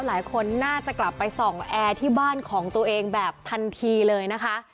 หลายคนน่าจะกลับไปส่องแอร์ที่บ้านของตัวเองแบบทันทีเลยนะคะ